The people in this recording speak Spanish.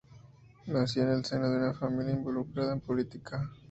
Nació en el seno de una familia involucrada en política.